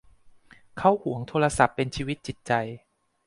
เขาหวงโทรศัพท์เป็นชีวิตจิตใจ